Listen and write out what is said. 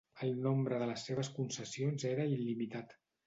El nombre de les seves concessions era il·limitat.